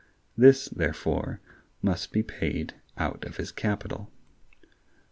This, therefore, must be paid out of his capital.